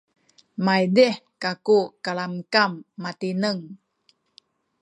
maydih kaku kalamkam matineng